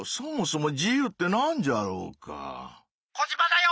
「コジマだよ！」。